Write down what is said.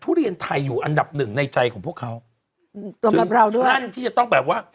ทุเรียนไทยอยู่อันดับหนึ่งในใจของพวกเขากำลังที่จะต้องแบบว่า